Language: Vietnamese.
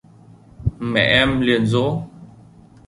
mẹ em liền dỗ